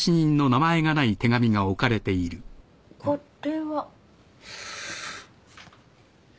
これは？